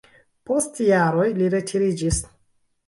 Post jaroj li retiriĝis.